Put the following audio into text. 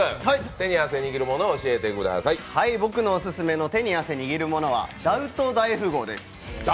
僕のオススメの手に汗握るものは「ダウト大富豪」です。